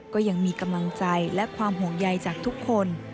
ก็ยังมีกำลังใจและความห่วงใยจากทุกคน